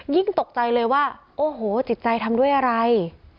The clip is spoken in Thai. ตกใจเลยว่าโอ้โหจิตใจทำด้วยอะไร